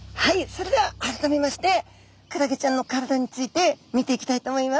それでは改めましてクラゲちゃんの体について見ていきたいと思います。